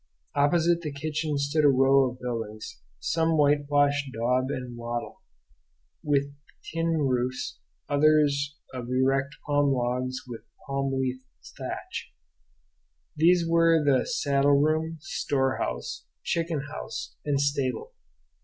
Opposite the kitchen stood a row of buildings, some whitewashed daub and wattle, with tin roofs, others of erect palm logs with palm leaf thatch. These were the saddle room, storehouse, chicken house, and stable.